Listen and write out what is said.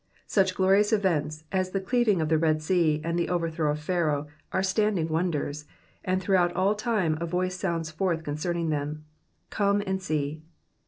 ^^ Such glorious events, as the cleaving of the Red Sea and the overthrow of Pharaoh, are standing wonders, and throughout all time a voice sounds forth concerning them —Come and see.'